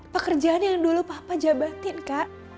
pekerjaan yang dulu papa jabatin kak